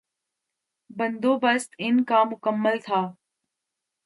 بندوبست ان کا مکمل تھا۔